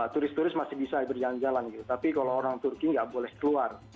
turis turis masih bisa berjalan jalan tapi kalau orang turki nggak boleh keluar